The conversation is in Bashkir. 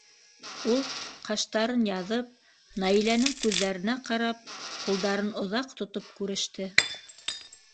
Ул, ҡаштарын яҙып, Наиләнең күҙҙәренә ҡарап, ҡулдарын оҙаҡ тотоп күреште.